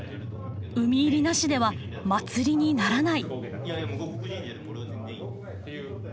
海入りなしでは祭りにならない。